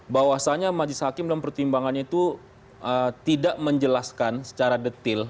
bahwasannya majelis hakim dan pertimbangannya itu tidak menjelaskan secara detil